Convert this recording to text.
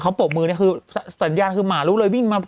เขาปรบมือนี่คือสัญญาณคือหมารู้เลยวิ่งมา